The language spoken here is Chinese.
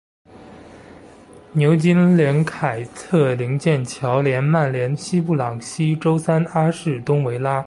牛津联凯特灵剑桥联曼联西布朗锡周三阿士东维拉